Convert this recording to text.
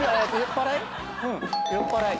「酔っぱらい？」